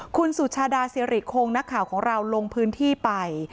คุณสุชาดาสิริคงนักข่าวของเราลงพื้นที่ไป